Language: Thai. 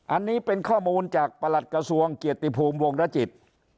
อันนี้เป็นข้อมูลจากประหลัดกระทรวงเกียรติภูมิวงรจิต